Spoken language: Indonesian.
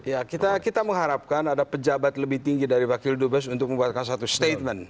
ya kita mengharapkan ada pejabat lebih tinggi dari wakil dubes untuk membuatkan satu statement